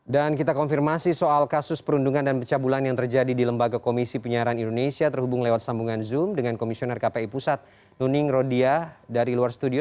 dan kita konfirmasi soal kasus perundungan dan pencabulan yang terjadi di lembaga komisi penyiaran indonesia terhubung lewat sambungan zoom dengan komisioner kpi pusat nuning rodia dari luar studio